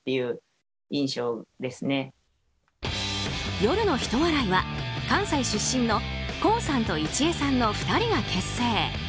夜のひと笑いは、関西出身のこうさんといちえさんの２人が結成。